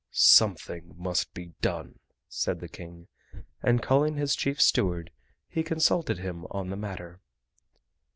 "Something must be done," said the King, and calling his chief steward he consulted him on the matter.